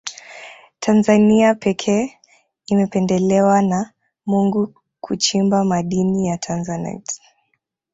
tanzania pekee imependelewa na mungu kuchimba madini ya tanzanite